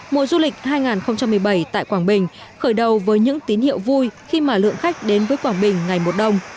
mùa du lịch hai nghìn một mươi bảy tại quảng bình khởi đầu với những tín hiệu vui khi mà lượng khách đến với quảng bình ngày một đông